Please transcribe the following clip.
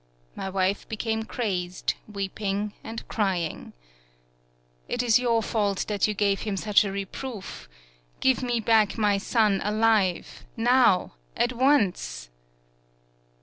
My wife became crazed, weeping and crying. "It is your fault that you gave him such a reproof! Give me back my son alive, now, at once!"